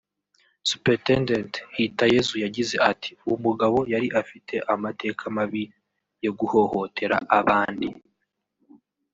Supt Hitayezu yagize ati “Umugabo yari afite amateka mabi yo guhohotera abandi